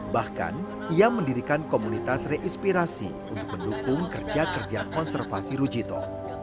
bahkan ia mendirikan komunitas re inspirasi untuk mendukung kerja kerja konservasi rujito